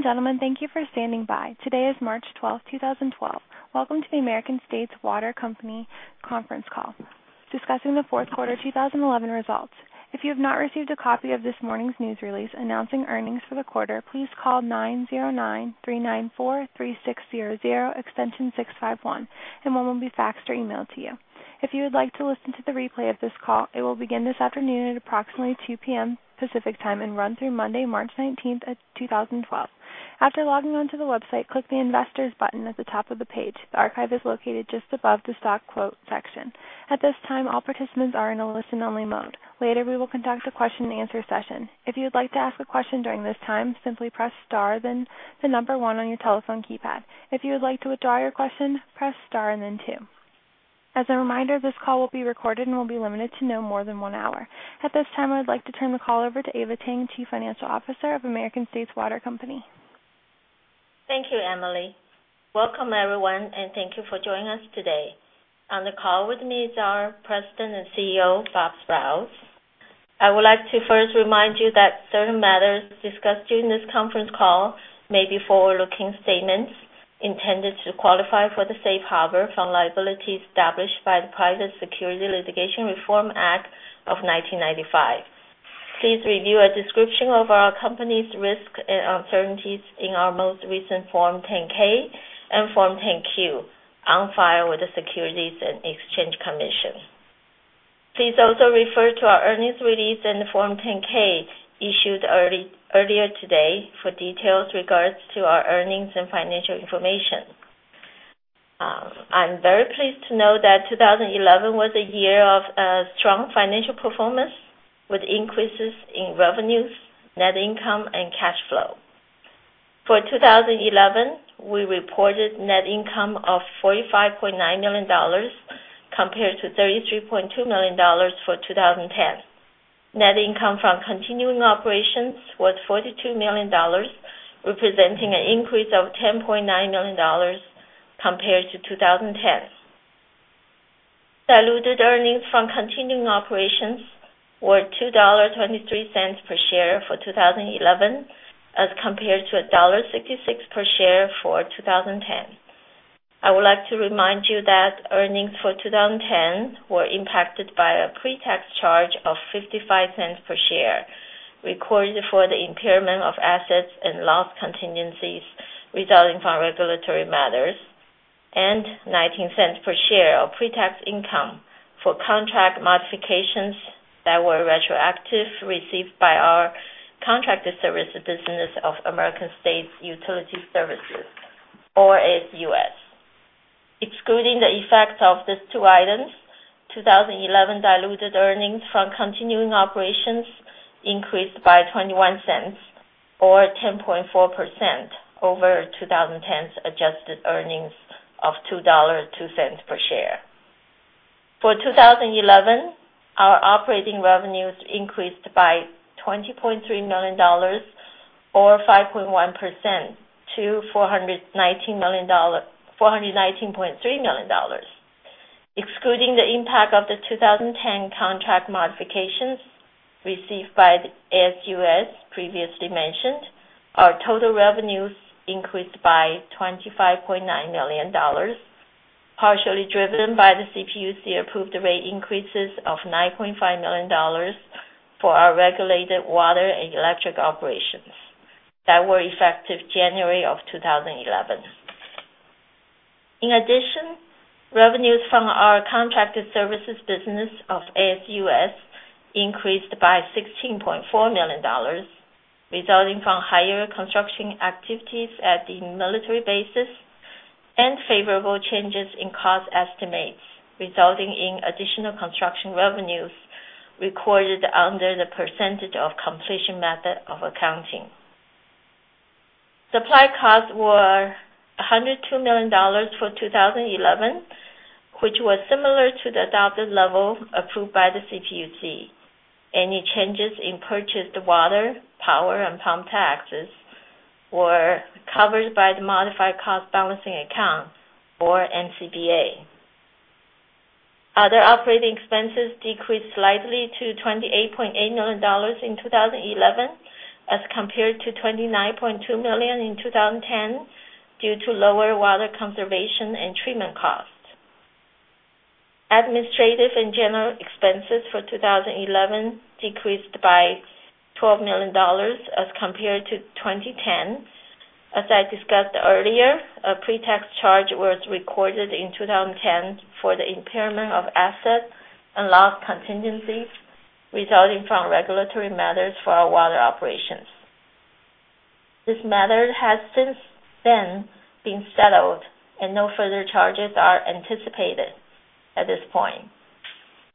Ladies and gentlemen, thank you for standing by. Today is March 12, 2012. Welcome to the American States Water Company conference call discussing the fourth quarter 2011 results. If you have not received a copy of this morning's news release announcing earnings for the quarter, please call 909-394-3600, extension 651, and one will be faxed or emailed to you. If you would like to listen to the replay of this call, it will begin this afternoon at approximately 2:00 P.M. Pacific Time and run through Monday, March 19, 2012. After logging onto the website, click the investors button at the top of the page. The archive is located just above the stock quote section. At this time, all participants are in a listen-only mode. Later, we will conduct a question and answer session. If you would like to ask a question during this time, simply press star then the number one on your telephone keypad. If you would like to withdraw your question, press star and then two. As a reminder, this call will be recorded and will be limited to no more than one hour. At this time, I would like to turn the call over to Eva Tang, Chief Financial Officer of American States Water Company. Thank you, Emily. Welcome, everyone, and thank you for joining us today. On the call with me is our President and CEO, Bob Sprowls. I would like to first remind you that certain matters discussed during this conference call may be forward-looking statements intended to qualify for the safe harbor from liabilities established by the Private Securities Litigation Reform Act of 1995. Please review a description of our company's risks and uncertainties in our most recent Form 10-K and Form 10-Q on file with the Securities and Exchange Commission. Please also refer to our earnings release and Form 10-K issued earlier today for details in regards to our earnings and financial information. I'm very pleased to note that 2011 was a year of strong financial performance with increases in revenues, net income, and cash flow. For 2011, we reported a net income of $45.9 million compared to $33.2 million for 2010. Net income from continuing operations was $42 million, representing an increase of $10.9 million compared to 2010. Diluted earnings from continuing operations were $2.23 per share for 2011 as compared to $1.66 per share for 2010. I would like to remind you that earnings for 2010 were impacted by a pre-tax charge of $0.55 per share, recorded for the impairment of assets and loss contingencies resulting from regulatory matters, and $0.19 per share of pre-tax income for contract modifications that were retroactively received by our contract to service the business of American States Utility Services, or ASUS. Excluding the effects of these two items, 2011 diluted earnings from continuing operations increased by $0.21 or 10.4% over 2010's adjusted earnings of $2.02 per share. For 2011, our operating revenues increased by $20.3 million or 5.1% to $419.3 million. Excluding the impact of the 2010 contract modifications received by the ASUS previously mentioned, our total revenues increased by $25.9 million, partially driven by the CPUC-approved rate increases of $9.5 million for our regulated water and electric operations that were effective January of 2011. In addition, revenues from our contracted services business of ASUS increased by $16.4 million, resulting from higher construction activities at the military bases and favorable changes in cost estimates, resulting in additional construction revenues recorded under the percentage of completion method of accounting. Supply costs were $102 million for 2011, which was similar to the adopted level approved by the CPUC. Any changes in purchased water, power, and pump taxes were covered by the Modified Cost Balancing Account, or MCBA. Other operating expenses decreased slightly to $28.8 million in 2011 as compared to $29.2 million in 2010 due to lower water conservation and treatment costs. Administrative and general expenses for 2011 decreased by $12 million as compared to 2010. As I discussed earlier, a pre-tax charge was recorded in 2010 for the impairment of assets and lost contingencies resulting from regulatory matters for our water operations. This matter has since then been settled, and no further charges are anticipated at this point.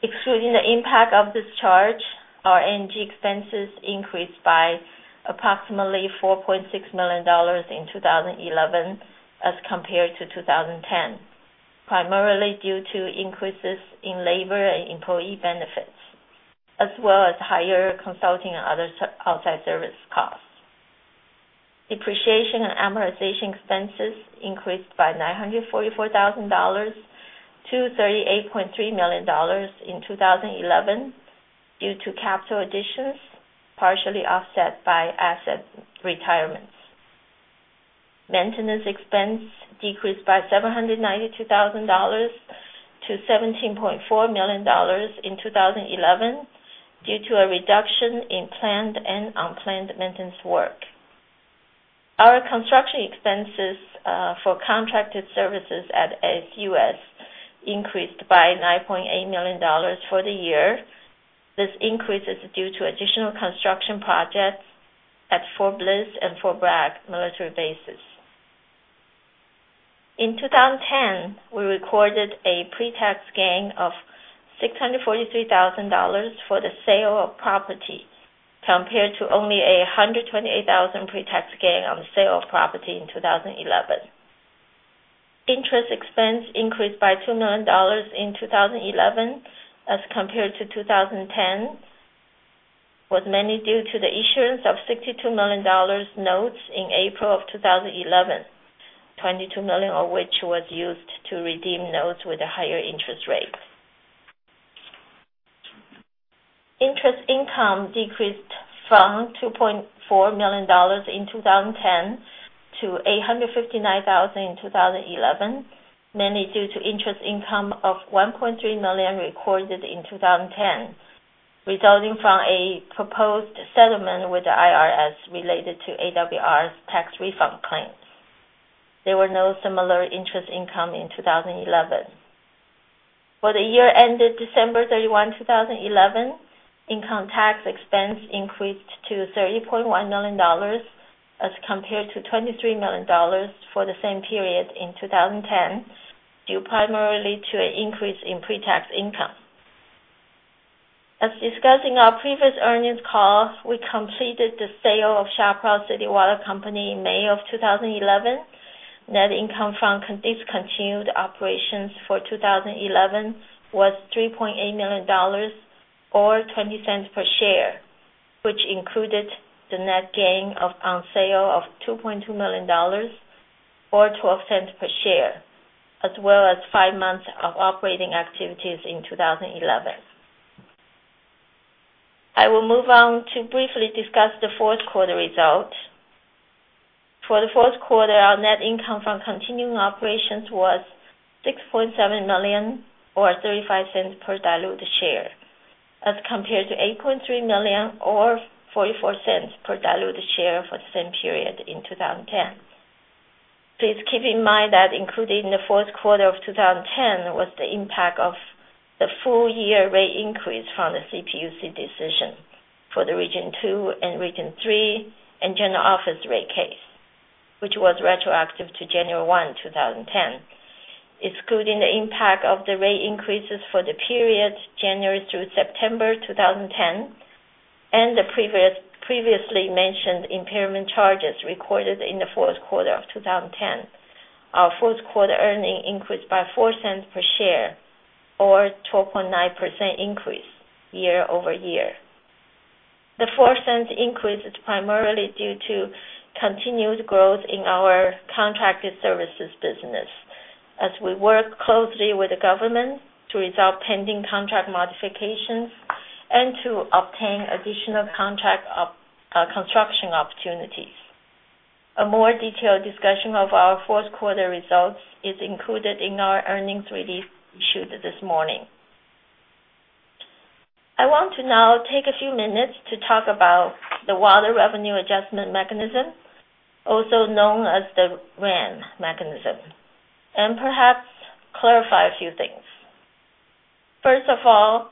Excluding the impact of this charge, our energy expenses increased by approximately $4.6 million in 2011 as compared to 2010, primarily due to increases in labor and employee benefits, as well as higher consulting and other outside service costs. Depreciation and amortization expenses increased by $944,000 to $38.3 million in 2011 due to capital additions partially offset by asset retirements. Maintenance expense decreased by $792,000 to $17.4 million in 2011 due to a reduction in planned and unplanned maintenance work. Our construction expenses for contracted services at ASUS increased by $9.8 million for the year. This increase is due to additional construction projects at Fort Bliss and Fort Bragg military bases. In 2010, we recorded a pre-tax gain of $643,000 for the sale of property compared to only a $128,000 pre-tax gain on the sale of property in 2011. Interest expense increased by $2 million in 2011 as compared to 2010, mainly due to the issuance of $62 million notes in April of 2011, $22 million of which was used to redeem notes with a higher interest rate. Interest income decreased from $2.4 million in 2010 to $859,000 in 2011, mainly due to interest income of $1.3 million recorded in 2010, resulting from a proposed settlement with the IRS related to AWR's tax refund claim. There were no similar interest income in 2011. For the year ended December 31, 2011, income tax expense increased to $30.1 million as compared to $23 million for the same period in 2010, due primarily to an increase in pre-tax income. As discussed in our previous earnings call, we completed the sale of Shiprock City Water Company in May of 2011. Net income from discontinued operations for 2011 was $3.8 million or $0.20 per share, which included the net gain on sale of $2.2 million or $0.12 per share, as well as five months of operating activities in 2011. I will move on to briefly discuss the fourth quarter results. For the fourth quarter, our net income from continuing operations was $6.7 million or $0.35 per diluted share, as compared to $8.3 million or $0.44 per diluted share for the same period in 2010. Please keep in mind that included in the fourth quarter of 2010 was the impact of the full-year rate increase from the CPUC decision for the Region 2 and Region 3 and General Office rate case, which was retroactive to January 1, 2010. Excluding the impact of the rate increases for the period January through September 2010 and the previously mentioned impairment charges recorded in the fourth quarter of 2010, our fourth quarter earnings increased by $0.04 per share, or a 12.9% increase year-over-year. The $0.04 increase is primarily due to continued growth in our contracted services business, as we work closely with the government to resolve pending contract modifications and to obtain additional contract construction opportunities. A more detailed discussion of our fourth quarter results is included in our earnings release issued this morning. I want to now take a few minutes to talk about the Water Revenue Adjustment Mechanism, also known as the WRAM mechanism, and perhaps clarify a few things. First of all,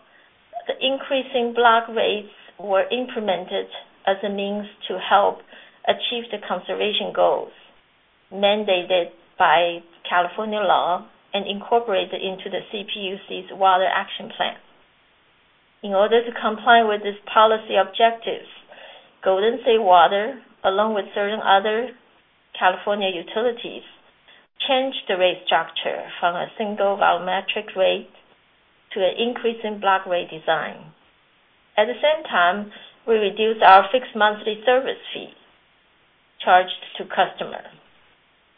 the increasing block rates were implemented as a means to help achieve the conservation goals mandated by California law and incorporated into the CPUC's water action plan. In order to comply with these policy objectives, Golden State Water, along with certain other California utilities, changed the rate structure from a single volumetric rate to an increasing block rate design. At the same time, we reduced our fixed monthly service fee charged to customers.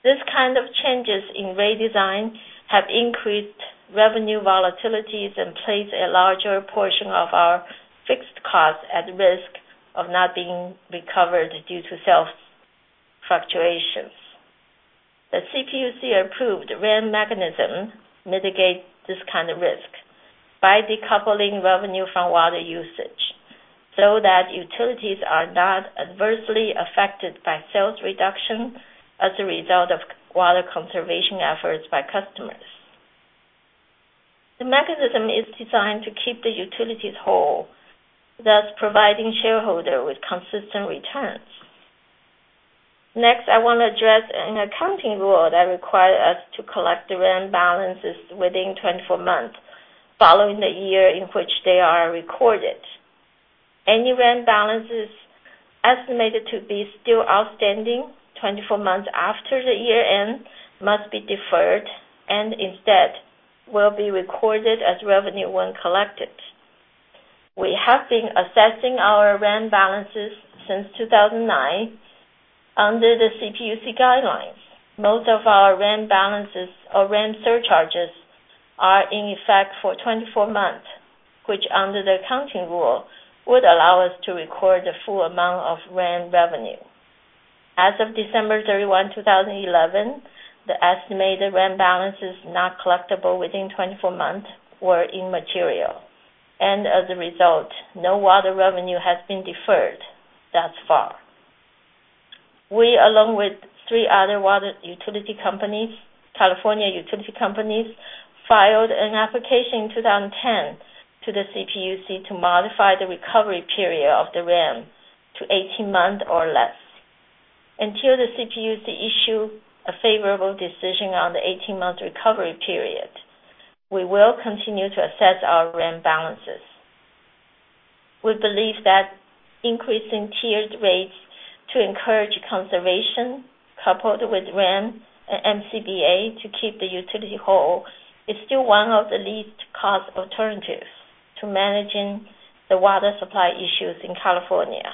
These kinds of changes in rate design have increased revenue volatilities and placed a larger portion of our fixed costs at risk of not being recovered due to sales fluctuations. The CPUC-approved WRAM mechanism mitigates this kind of risk by decoupling revenue from water usage so that utilities are not adversely affected by sales reduction as a result of water conservation efforts by customers. The mechanism is designed to keep the utilities whole, thus providing shareholders with consistent returns. Next, I want to address an accounting rule that requires us to collect the RAN balances within 24 months following the year in which they are recorded. Any RAN balances estimated to be still outstanding 24 months after the year end must be deferred and instead will be recorded as revenue when collected. We have been assessing our RAN balances since 2009. Under the CPUC guidelines, most of our RAN balances or RAN surcharges are in effect for 24 months, which under the accounting rule would allow us to record the full amount of RAN revenue. As of December 31, 2011, the estimated RAN balances not collectible within 24 months were immaterial, and as a result, no water revenue has been deferred thus far. We, along with three other California utility companies, filed an application in 2010 to the CPUC to modify the recovery period of the RAN to 18 months or less. Until the CPUC issues a favorable decision on the 18-month recovery period, we will continue to assess our RAN balances. We believe that increasing tiered rates to encourage conservation, coupled with RAN and MCBA to keep the utility whole, is still one of the least cost alternatives to managing the water supply issues in California.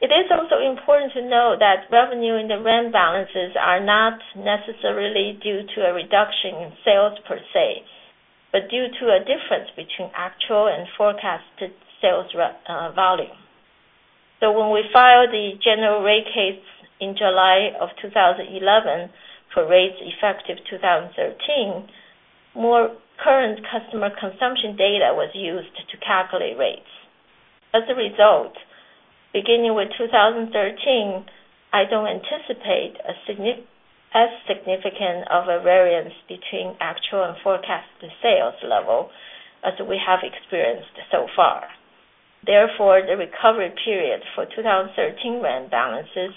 It is also important to note that revenue in the RAN balances is not necessarily due to a reduction in sales per se, but due to a difference between actual and forecasted sales volume. When we filed the general rate case in July of 2011 for rates effective 2013, more current customer consumption data was used to calculate rates. As a result, beginning with 2013, I don't anticipate as significant of a variance between actual and forecasted sales level as we have experienced so far. Therefore, the recovery period for 2013 RAN balances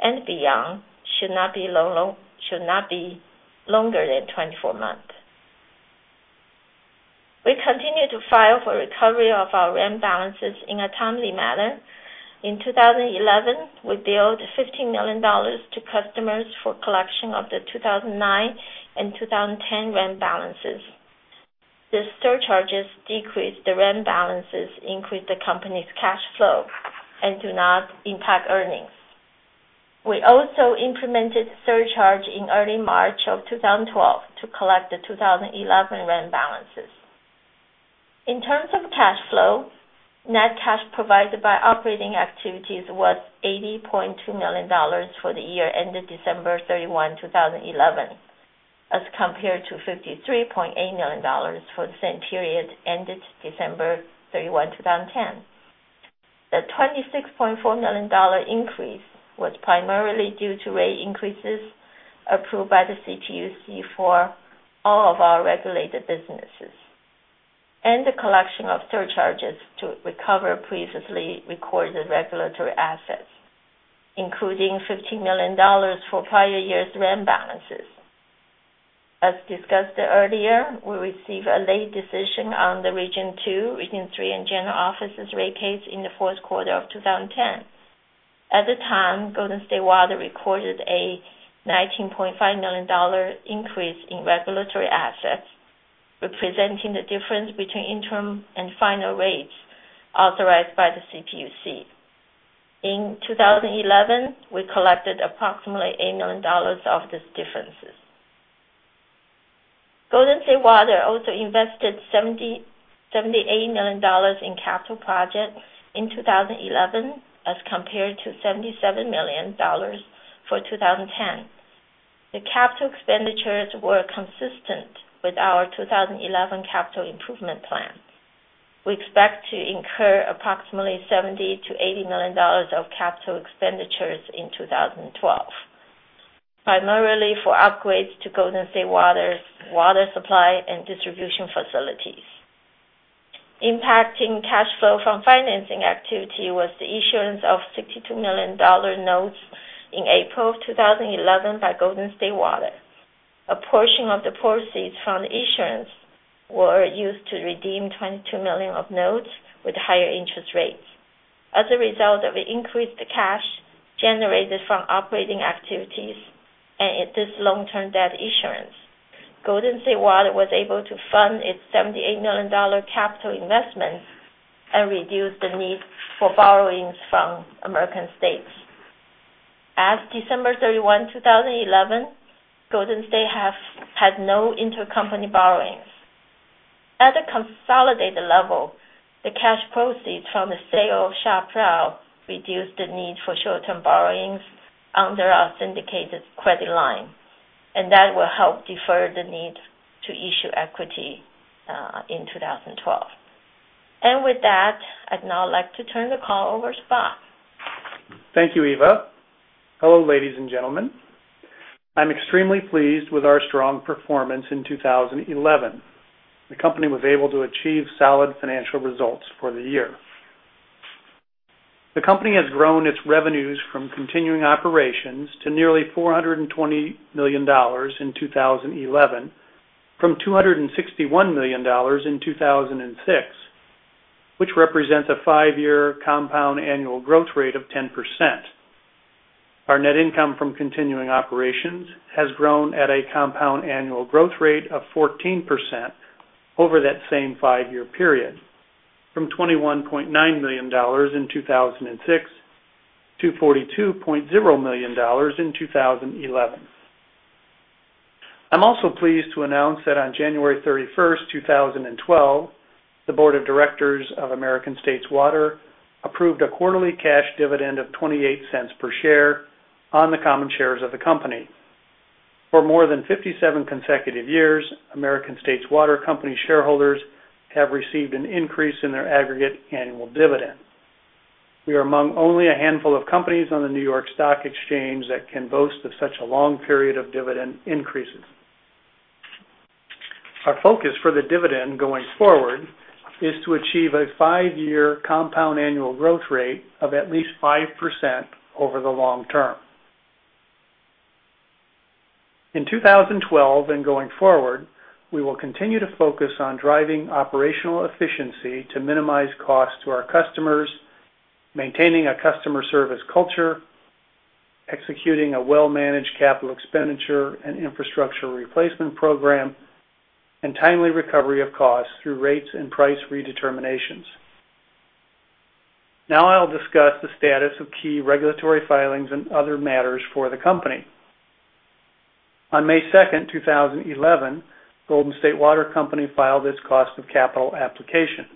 and beyond should not be longer than 24 months. We continue to file for recovery of our RAN balances in a timely manner. In 2011, we billed $15 million to customers for collection of the 2009 and 2010 RAN balances. The surcharges decreased the RAN balances, increased the company's cash flow, and do not impact earnings. We also implemented a surcharge in early March of 2012 to collect the 2011 RAN balances. In terms of cash flow, net cash provided by operating activities was $80.2 million for the year ended December 31, 2011, as compared to $53.8 million for the same period ended December 31, 2010. The $26.4 million increase was primarily due to rate increases approved by the CPUC for all of our regulated businesses and the collection of surcharges to recover previously recorded regulatory assets, including $15 million for prior year's WRAM balances. As discussed earlier, we received a late decision on the Region 2, Region 3, and General Offices rate case in the fourth quarter of 2010. At the time, Golden State Water recorded a $19.5 million increase in regulatory assets, representing the difference between interim and final rates authorized by the CPUC. In 2011, we collected approximately $8 million of these differences. Golden State Water also invested $78 million in capital projects in 2011, as compared to $77 million for 2010. The capital expenditures were consistent with our 2011 capital improvement plan. We expect to incur approximately $70 million-$80 million of capital expenditures in 2012, primarily for upgrades to Golden State Water's water supply and distribution facilities. Impacting cash flow from financing activity was the issuance of $62 million notes in April of 2011 by Golden State Water. A portion of the proceeds from the issuance were used to redeem $22 million of notes with higher interest rates. As a result of the increased cash generated from operating activities and this long-term debt issuance, Golden State Water was able to fund its $78 million capital investments and reduce the need for borrowings from American States. As of December 31, 2011, Golden State has had no intercompany borrowings. At a consolidated level, the cash proceeds from the sale of Shiprock reduced the need for short-term borrowings under our syndicated credit line, and that will help defer the need to issue equity in 2012. With that, I'd now like to turn the call over to Bob. Thank you, Eva. Hello, ladies and gentlemen. I'm extremely pleased with our strong performance in 2011. The company was able to achieve solid financial results for the year. The company has grown its revenues from continuing operations to nearly $420 million in 2011, from $261 million in 2006, which represents a five-year compound annual growth rate of 10%. Our net income from continuing operations has grown at a compound annual growth rate of 14% over that same five-year period, from $21.9 million in 2006 to $42.0 million in 2011. I'm also pleased to announce that on January 31, 2012, the Board of Directors of American States Water approved a quarterly cash dividend of $0.28 per share on the common shares of the company. For more than 57 consecutive years, American States Water Company shareholders have received an increase in their aggregate annual dividend. We are among only a handful of companies on the New York Stock Exchange that can boast of such a long period of dividend increases. Our focus for the dividend going forward is to achieve a five-year compound annual growth rate of at least 5% over the long-term. In 2012 and going forward, we will continue to focus on driving operational efficiency to minimize costs to our customers, maintaining a customer service culture, executing a well-managed capital expenditure and infrastructure replacement program, and timely recovery of costs through rates and price redeterminations. Now I'll discuss the status of key regulatory filings and other matters for the company. On May 2, 2011, Golden State Water Company filed its cost of capital application.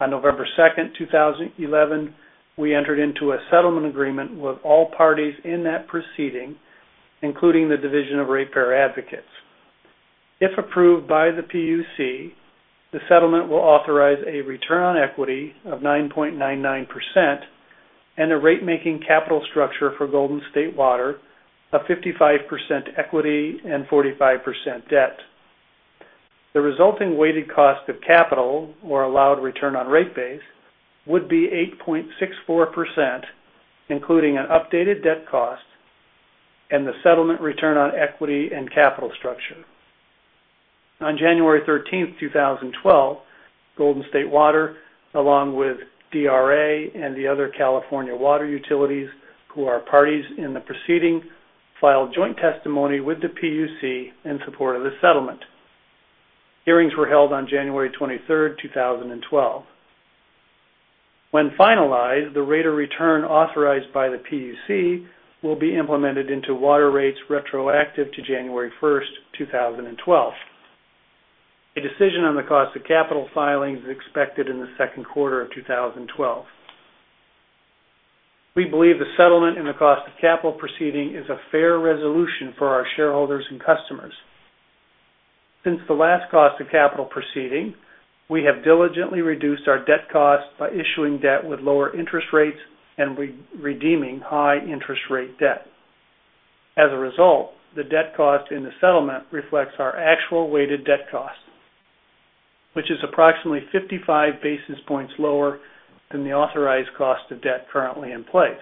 On November 2, 2011, we entered into a settlement agreement with all parties in that proceeding, including the Division of Ratepayer Advocates. If approved by the PUC, the settlement will authorize a return on equity of 9.99% and a rate-making capital structure for Golden State Water of 55% equity and 45% debt. The resulting weighted cost of capital or allowed return on rate base would be 8.64%, including an updated debt cost and the settlement return on equity and capital structure. On January 13, 2012, Golden State Water, along with DRA and the other California water utilities who are parties in the proceeding, filed joint testimony with the PUC in support of the settlement. Hearings were held on January 23, 2012. When finalized, the rate of return authorized by the PUC will be implemented into water rates retroactive to January 1, 2012. A decision on the cost of capital filing is expected in the second quarter of 2012. We believe the settlement in the cost of capital proceeding is a fair resolution for our shareholders and customers. Since the last cost of capital proceeding, we have diligently reduced our debt cost by issuing debt with lower interest rates and redeeming high interest rate debt. As a result, the debt cost in the settlement reflects our actual weighted debt cost, which is approximately 55 basis points lower than the authorized cost of debt currently in place.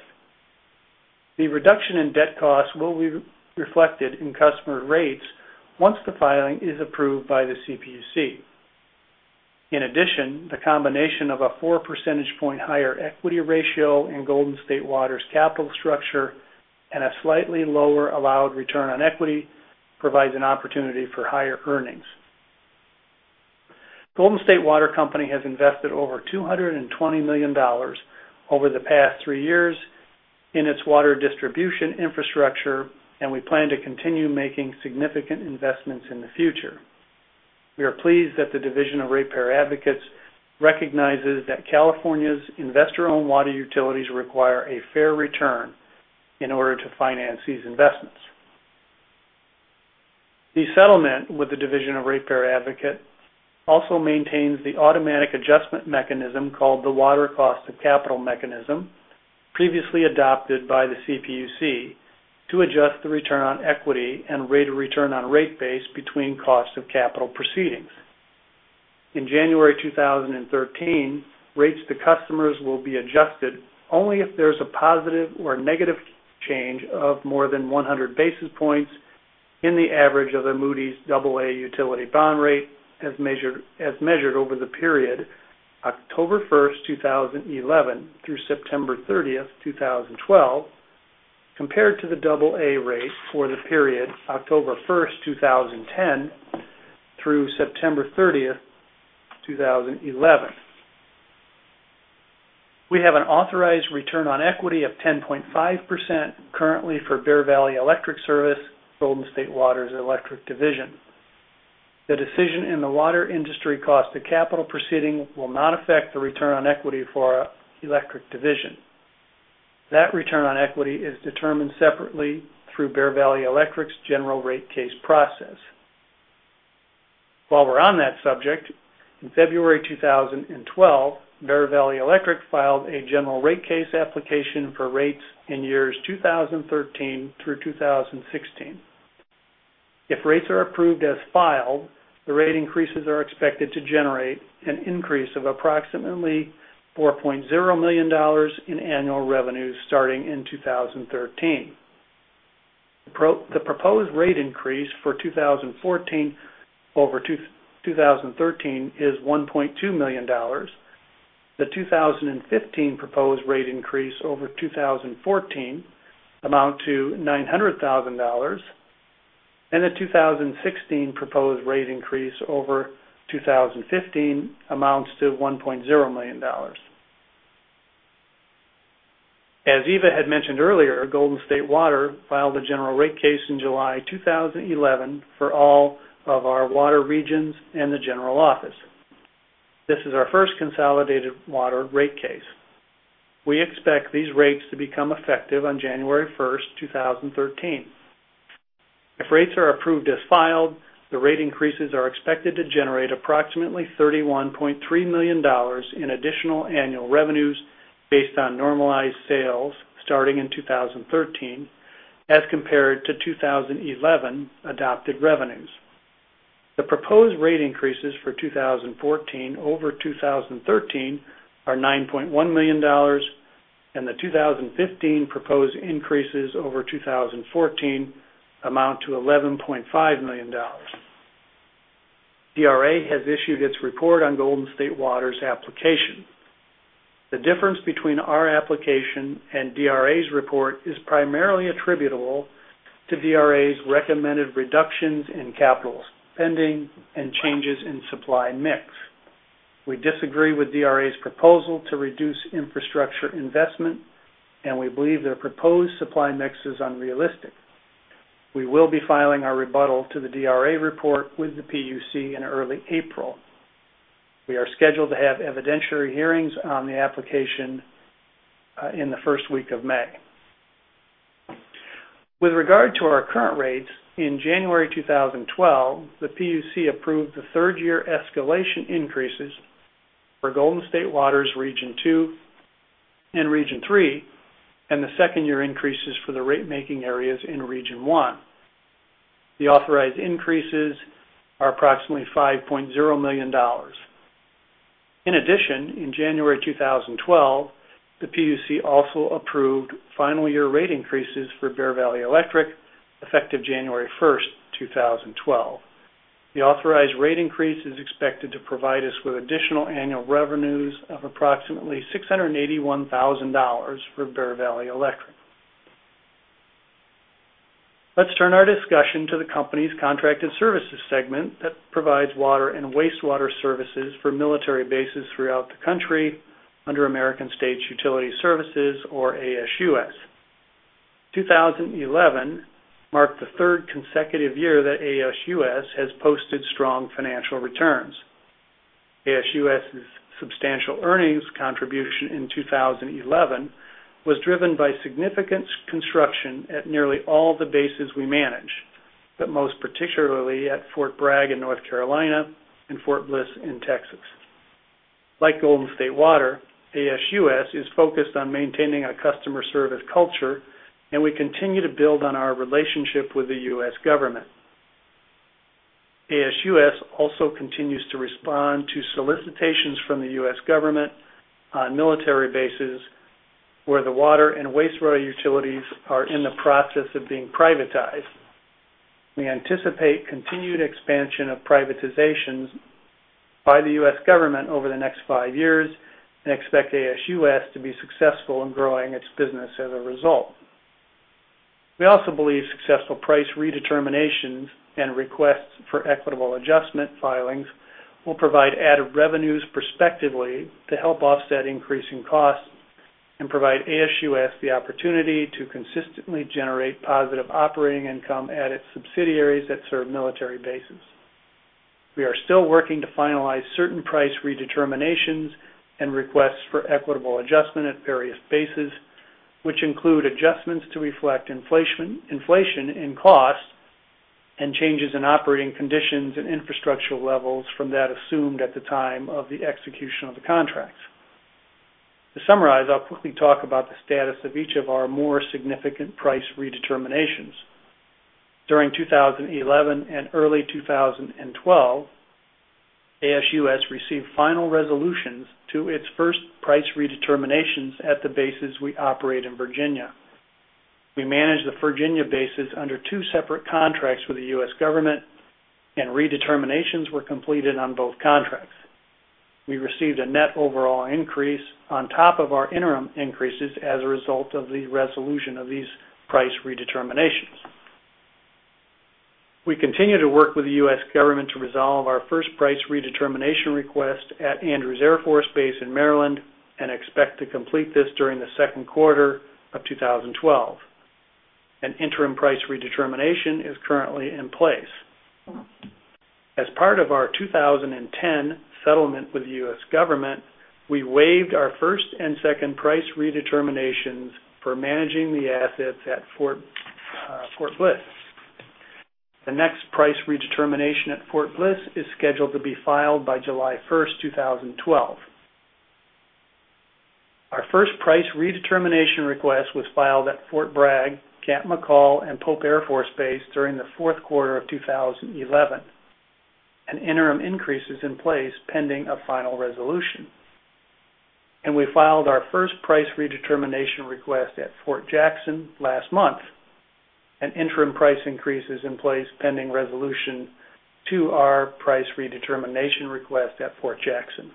The reduction in debt cost will be reflected in customer rates once the filing is approved by the CPUC. In addition, the combination of a 4 percentage point higher equity ratio in Golden State Water's capital structure and a slightly lower allowed return on equity provides an opportunity for higher earnings. Golden State Water Company has invested over $220 million over the past three years in its water distribution infrastructure, and we plan to continue making significant investments in the future. We are pleased that the Division of Ratepayer Advocates recognizes that California's investor-owned water utilities require a fair return in order to finance these investments. The settlement with the Division of Ratepayer Advocates also maintains the automatic adjustment mechanism called the water cost of capital mechanism, previously adopted by the CPUC to adjust the return on equity and rate of return on rate base between cost of capital proceedings. In January 2013, rates to customers will be adjusted only if there's a positive or negative change of more than 100 basis points in the average of the Moody's AA utility bond rate as measured over the period October 1, 2011, through September 30, 2012, compared to the AA rate for the period October 1, 2010, through September 30, 2011. We have an authorized return on equity of 10.5% currently for Bear Valley Electric Service, Golden State Water's electric division. The decision in the water industry cost of capital proceeding will not affect the return on equity for our electric division. That return on equity is determined separately through Bear Valley Electric's general rate case process. While we're on that subject, in February 2012, Bear Valley Electric filed a general rate case application for rates in years 2013 through 2016. If rates are approved as filed, the rate increases are expected to generate an increase of approximately $4.0 million in annual revenues starting in 2013. The proposed rate increase for 2014 over 2013 is $1.2 million. The 2015 proposed rate increase over 2014 amounts to $900,000, and the 2016 proposed rate increase over 2015 amounts to $1.0 million. As Eva had mentioned earlier, Golden State Water filed a general rate case in July 2011 for all of our water regions and the general office. This is our first consolidated water rate case. We expect these rates to become effective on January 1, 2013. If rates are approved as filed, the rate increases are expected to generate approximately $31.3 million in additional annual revenues based on normalized sales starting in 2013 as compared to 2011 adopted revenues. The proposed rate increases for 2014 over 2013 are $9.1 million, and the 2015 proposed increases over 2014 amount to $11.5 million. DRA has issued its report on Golden State Water's applications. The difference between our application and DRA's report is primarily attributable to DRA's recommended reductions in capital spending and changes in supply mix. We disagree with DRA's proposal to reduce infrastructure investment, and we believe their proposed supply mix is unrealistic. We will be filing our rebuttal to the DRA report with the PUC in early April. We are scheduled to have evidentiary hearings on the application in the first week of May. With regard to our current rates, in January 2012, the PUC approved the third-year escalation increases for Golden State Water's Region 2 and Region 3, and the second-year increases for the rate-making areas in Region 1. The authorized increases are approximately $5.0 million. In addition, in January 2012, the PUC also approved final-year rate increases for Bear Valley Electric effective January 1, 2012. The authorized rate increase is expected to provide us with additional annual revenues of approximately $681,000 for Bear Valley Electric. Let's turn our discussion to the company's contracted services segment that provides water and wastewater services for military bases throughout the country under American States Utility Services, or ASUS. 2011 marked the third consecutive year that ASUS has posted strong financial returns. ASUS's substantial earnings contribution in 2011 was driven by significant construction at nearly all the bases we managed, but most particularly at Fort Bragg in North Carolina and Fort Bliss in Texas. Like Golden State Water, ASUS is focused on maintaining a customer service culture, and we continue to build on our relationship with the U.S. government. ASUS also continues to respond to solicitations from the U.S. government on military bases where the water and wastewater utilities are in the process of being privatized. We anticipate continued expansion of privatizations by the U.S. government over the next five years and expect ASUS to be successful in growing its business as a result. We also believe successful price redeterminations and requests for equitable adjustment filings will provide added revenues prospectively to help offset increasing costs and provide ASUS the opportunity to consistently generate positive operating income at its subsidiaries that serve military bases. We are still working to finalize certain price redeterminations and requests for equitable adjustment at various bases, which include adjustments to reflect inflation in cost and changes in operating conditions and infrastructure levels from that assumed at the time of the execution of the contracts. To summarize, I'll quickly talk about the status of each of our more significant price redeterminations. During 2011 and early 2012, ASUS received final resolutions to its first price redeterminations at the bases we operate in Virginia. We manage the Virginia bases under two separate contracts with the U.S. government, and redeterminations were completed on both contracts. We received a net overall increase on top of our interim increases as a result of the resolution of these price redeterminations. We continue to work with the U.S. government to resolve our first price redetermination request at Andrews Air Force Base in Maryland and expect to complete this during the second quarter of 2012. An interim price redetermination is currently in place. As part of our 2010 settlement with the U.S. government, we waived our first and second price redeterminations for managing the assets at Fort Bliss. The next price redetermination at Fort Bliss is scheduled to be filed by July 1, 2012. Our first price redetermination request was filed at Fort Bragg, Camp Mackall, and Pope Air Force Base during the fourth quarter of 2011. An interim increase is in place pending a final resolution. We filed our first price redetermination request at Fort Jackson last month. An interim price increase is in place pending resolution to our price redetermination request at Fort Jackson.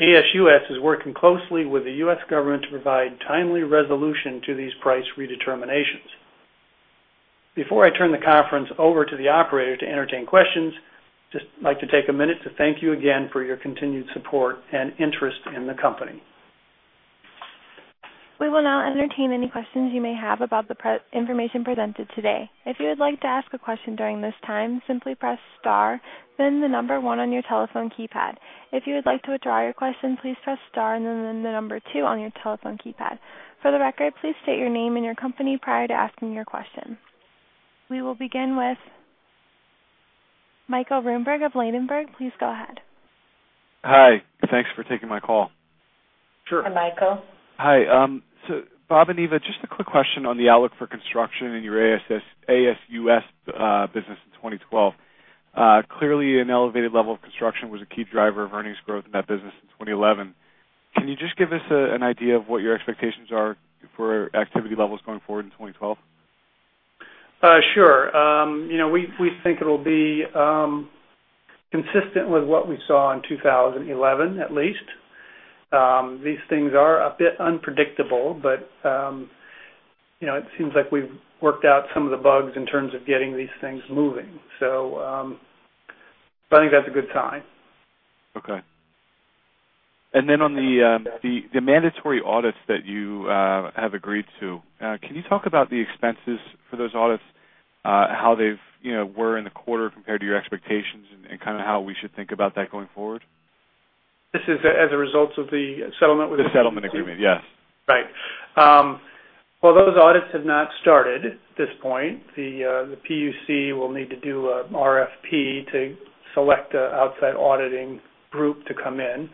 ASUS is working closely with the U.S. government to provide timely resolution to these price redeterminations. Before I turn the conference over to the operator to entertain questions, I'd just like to take a minute to thank you again for your continued support and interest in the company. We will now entertain any questions you may have about the information presented today. If you would like to ask a question during this time, simply press star, then the number one on your telephone keypad. If you would like to withdraw your question, please press star and then the number two on your telephone keypad. For the record, please state your name and your company prior to asking your question. We will begin with Michael. [inaudible] Please go ahead. Hi, thanks for taking my call. Sure. Hi, Michael. Hi. Bob and Eva, just a quick question on the outlook for construction in your ASUS business in 2012. Clearly, an elevated level of construction was a key driver of earnings growth in that business in 2011. Can you just give us an idea of what your expectations are for activity levels going forward in 2012? Sure. We think it will be consistent with what we saw in 2011, at least. These things are a bit unpredictable, but it seems like we've worked out some of the bugs in terms of getting these things moving. I think that's a good sign. Okay. On the mandatory audits that you have agreed to, can you talk about the expenses for those audits, how they were in the quarter compared to your expectations, and kind of how we should think about that going forward? This is as a result of the settlement with the. The settlement agreement, yes. Right. Those audits have not started at this point. The PUC will need to do an RFP to select an outside auditing group to come in.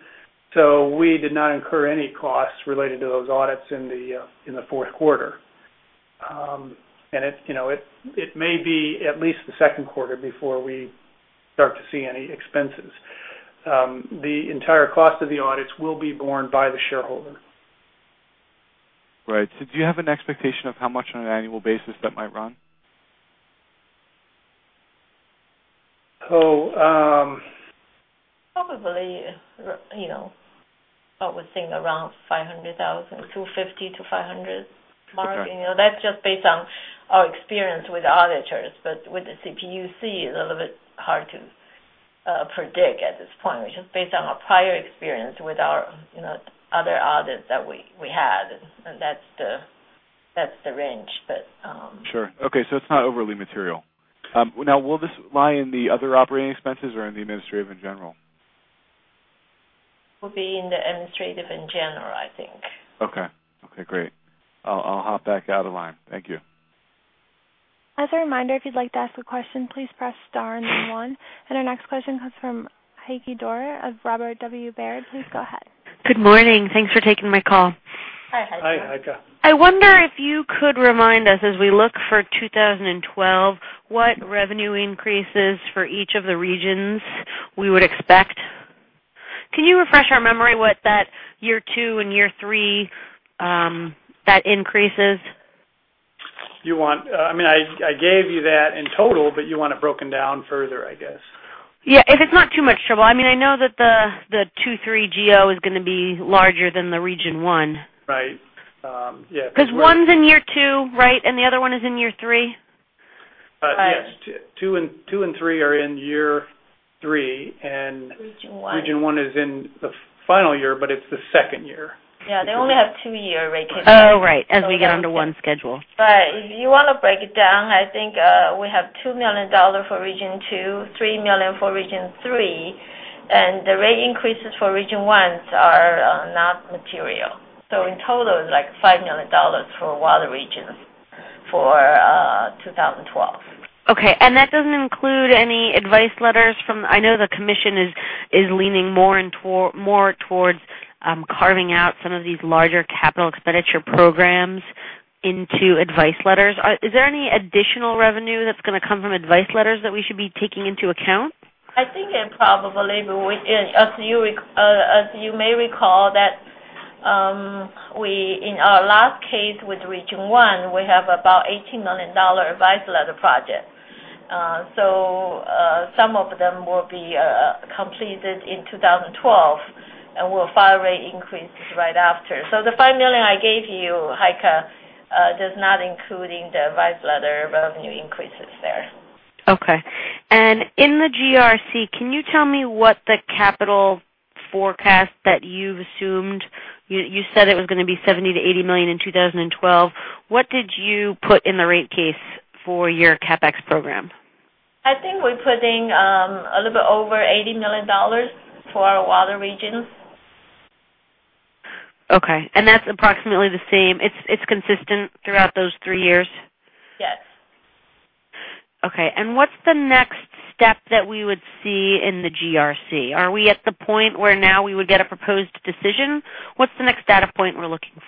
We did not incur any costs related to those audits in the fourth quarter, and it may be at least the second quarter before we start to see any expenses. The entire cost of the audits will be borne by the shareholder. Right. Do you have an expectation of how much on an annual basis that might run? Oh. I would think around $500,000, $250,000-$500,000 margin. That's just based on our experience with the auditors. With the CPUC, it's a little bit hard to predict at this point. It's just based on our prior experience with our other audits that we had. That's the range. Sure. Okay. It's not overly material. Will this lie in the other operating expenses or in the administrative and general? It will be in the administrative and general, I think. Okay. Great. I'll hop back out of line. Thank you. As a reminder, if you'd like to ask a question, please press star and then one. Our next question comes from Heike Doerr of Robert W. Baird. Please go ahead. Good morning. Thanks for taking my call. Hi, Heike. Hi, Heike. I wonder if you could remind us, as we look for 2012, what revenue increases for each of the regions we would expect. Can you refresh our memory what that year two and year three, that increase is? I gave you that in total, but you want it broken down further, I guess. Yeah, if it's not too much trouble. I mean, I know that the two, three GO is going to be larger than the Region 1. Right. yeah. Because one's in year two, right? The other one is in year three? Yes, two and two and three are in year three. Region 1. Region 1 is in the final year, but it's the second year. Yeah, they only have two-year rate given. Oh, right. As we get under one schedule. If you want to break it down, I think we have $2 million for Region 2, $3 million for Region 3, and the rate increases for Region 1s are not material. In total, it's like $5 million for water regions for 2012. Okay. That doesn't include any advice letters from, I know the commission is leaning more and more towards carving out some of these larger capital expenditure programs into advice letters. Is there any additional revenue that's going to come from advice letters that we should be taking into account? I think it probably will. As you may recall, in our last case with Region 1, we have about $18 million advice letter project. Some of them will be completed in 2012 and will file rate increases right after. The $5 million I gave you, Heike, does not include the advice letter revenue increases there. Okay. In the GRC, can you tell me what the capital forecast that you've assumed? You said it was going to be $70 million-$80 million in 2012. What did you put in the rate case for your CapEx program? I think we put in a little bit over $80 million for our water regions. Okay. That's approximately the same. It's consistent throughout those three years? Yes. Okay. What's the next step that we would see in the GRC? Are we at the point where now we would get a proposed decision? What's the next data point we're looking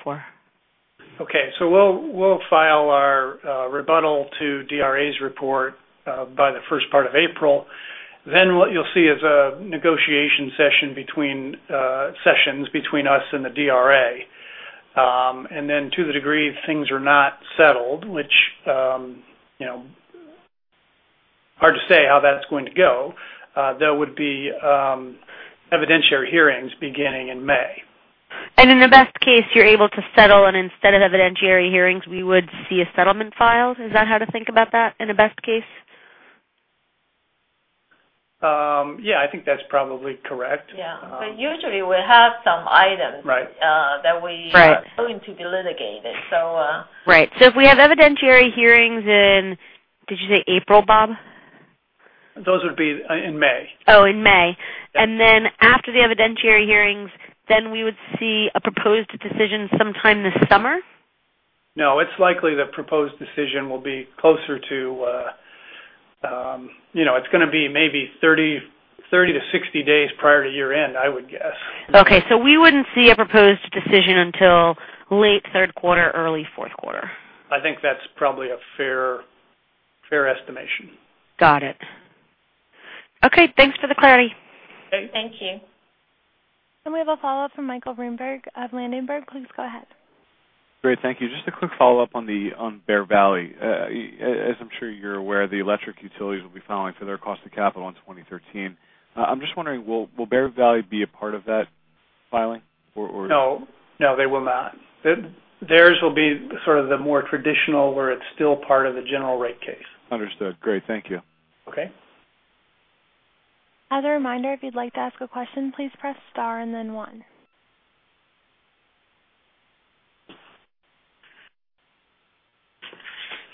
for? We'll file our rebuttal to DRA's report by the first part of April. What you'll see is negotiation sessions between us and the DRA. To the degree things are not settled, which is hard to say how that's going to go, there would be evidentiary hearings beginning in May. In the best case, you're able to settle, and instead of evidentiary hearings, we would see a settlement filed. Is that how to think about that in a best case? Yeah, I think that's probably correct. Yeah, usually we have some items, right, that we are going to be litigated. Right. If we have evidentiary hearings in, did you say April, Bob? Those would be in May. Oh, in May. After the evidentiary hearings, we would see a proposed decision sometime this summer? No. It's likely the proposed decision will be closer to, you know, it's going to be maybe 30-60 days prior to year-end, I would guess. Okay, we wouldn't see a proposed decision until late third quarter or early fourth quarter. I think that's probably a fair estimation. Got it. Okay, thanks for the clarity. Okay. Thank you. We have a follow-up from Michael. [inaudible] Please go ahead. Great. Thank you. Just a quick follow-up on Bear Valley. As I'm sure you're aware, the electric utilities will be filing for their cost of capital in 2013. I'm just wondering, will Bear Valley be a part of that filing or? No. No, they will not. Theirs will be sort of the more traditional, where it's still part of the general rate case. Understood. Great. Thank you. Okay. As a reminder, if you'd like to ask a question, please press star and then one.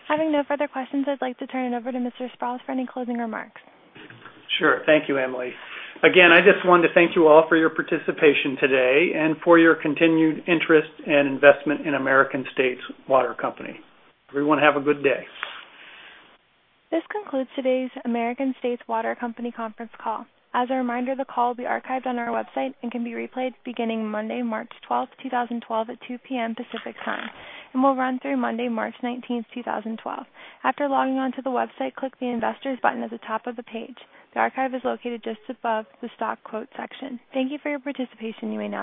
Having no further questions, I'd like to turn it over to Mr. Sprowls for any closing remarks. Sure. Thank you, Emily. I just wanted to thank you all for your participation today and for your continued interest and investment in American States Water Company. Everyone, have a good day. This concludes today's American States Water Company conference call. As a reminder, the call will be archived on our website and can be replayed beginning Monday, March 12, 2012, at 2:00 P.M. Pacific Time, and will run through Monday, March 19, 2012. After logging onto the website, click the Investors button at the top of the page. The archive is located just above the Stock Quote section. Thank you for your participation. We may end.